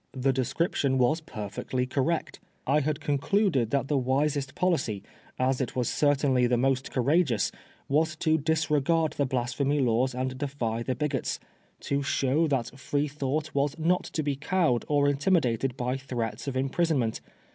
The description was perfectly correct. I had concluded that my wisest policy, as it was certainly the most courageous, was to disregard the Blasphemy Laws and defy the bigots ; to show that Freethought was not to be cowed or intimidated by threats of im prisonment.